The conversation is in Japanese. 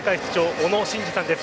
小野伸二さんです。